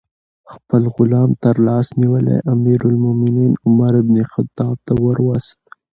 خپل غلام ترلاس نیولی امیر المؤمنین عمر بن الخطاب ته وروست.